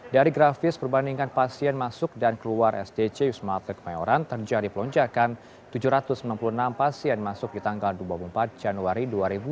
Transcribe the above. dari grafis perbandingan pasien masuk dan keluar sdc wisma atlet kemayoran terjadi pelonjakan tujuh ratus enam puluh enam pasien masuk di tanggal dua puluh empat januari dua ribu dua puluh